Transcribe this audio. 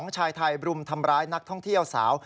ชายไทยบรุมทำร้ายนักท่องเที่ยวสาว